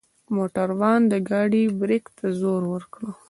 موټروان د ګاډۍ برک ته زور وکړ.